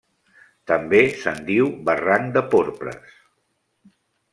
També se'n diu Barranc de Porpres.